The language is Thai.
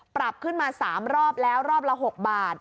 ปรับขึ้นมา๓รอบแล้วรอบละ๖บาท